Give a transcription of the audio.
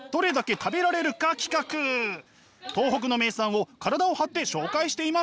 東北の名産を体を張って紹介しています。